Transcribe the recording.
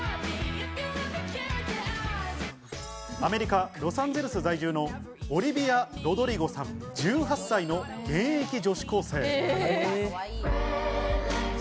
アメリカ・ロサンゼルス在住のオリヴィア・ロドリゴさん、１８歳の現役女子高生。